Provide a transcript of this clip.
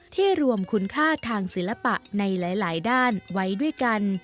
รวมคุณค่าทางศิลปะในหลายด้านไว้ด้วยกัน